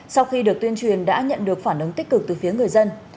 sau khi được tuyên truyền đã nhận được phản ứng tích cực từ phía người dân